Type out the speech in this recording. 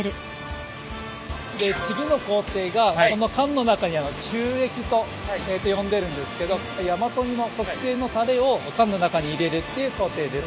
次の工程がこの缶の中に注液と呼んでるんですけど大和煮の特製のタレを缶の中に入れるっていう工程です。